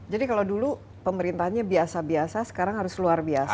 jadi kalau dulu pemerintahnya biasa biasa sekarang harus luar biasa